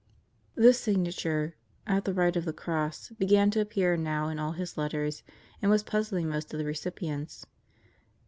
This signature "At the right of the Cross" began to appear now in all his letters and was puzzling most of the recipients.